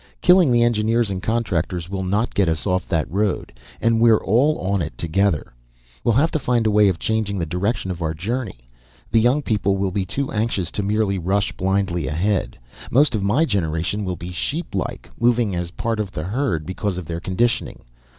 Killing the engineers and contractors will not get us off that road, and we're all on it together. We'll have to find a way of changing the direction of our journey. The young people will be too anxious to merely rush blindly ahead. Most of my generation will be sheeplike, moving as part of the herd, because of their conditioning.